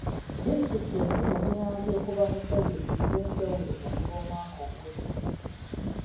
Disitulikiti efunye obuyambi okuva mu pulojekiti ez'enjawulo okuva omwaka oguwedde.